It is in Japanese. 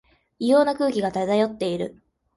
異様な空気が漂っている